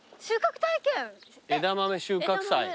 枝豆収穫祭。